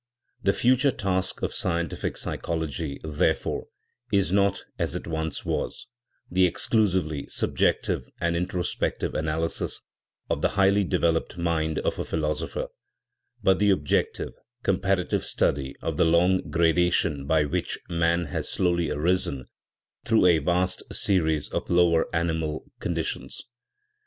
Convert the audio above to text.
The future task of scientific psychology, therefore, is not, as it once was, the exclusively subjective and introspective analysis of the highly developed mind of a philosopher, but the objective, comparative study of the long gradation by which man has slowly arisen through a vast series of lower animal conditions.